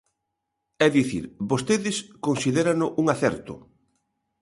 É dicir, vostedes considérano un acerto.